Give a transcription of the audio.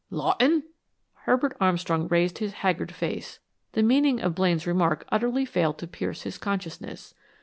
"Lawton?" Herbert Armstrong raised his haggard face. The meaning of Blaine's remark utterly failed to pierce his consciousness.